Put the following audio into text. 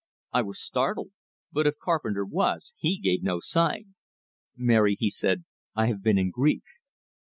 I was startled, but if Carpenter was, he gave no sign. "Mary," he said, "I have been in grief."